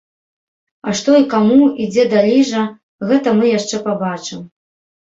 А што і каму, і дзе даліжа, гэта мы яшчэ пабачым.